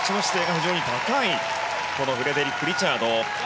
着地の姿勢が非常に高いフレデリック・リチャード。